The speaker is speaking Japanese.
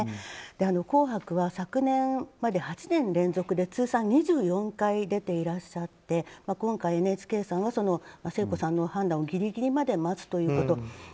「紅白」は昨年まで８年連続で通算２４回出ていらっしゃって今回、ＮＨＫさんは聖子さんの判断をギリギリまで待つということ。